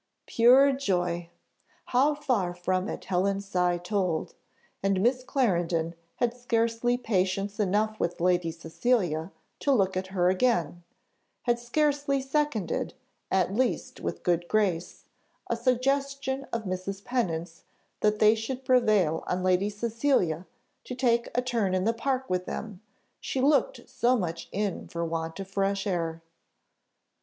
Pure joy! how far from it Helen's sigh told; and Miss Clarendon had scarcely patience enough with Lady Cecilia to look at her again; had scarcely seconded, at least with good grace, a suggestion of Mrs. Pennant's that they should prevail on Lady Cecilia to take a turn in the park with them, she looked so much in want of fresh air.